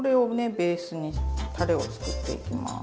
ベースにたれを作っていきます。